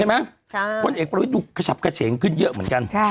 ใช่ไหมคนเอกประวิตุกระฉับกระเฉงขึ้นเยอะเหมือนกัน